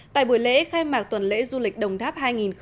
tại buổi lễ khai mạc tuần lễ du lịch đồng tháp hai nghìn một mươi bảy